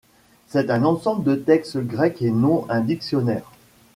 C'est un ensemble de textes grecs et non un dictionnaire.